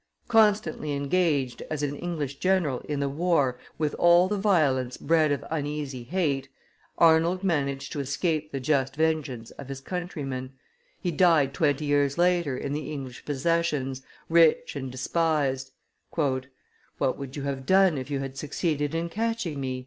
Constantly engaged, as an English general, in the war, with all the violence bred of uneasy hate, Arnold managed to escape the just vengeance of his countrymen; he died twenty years later, in the English possessions, rich and despised. "What would you have done if you had succeeded in catching me?"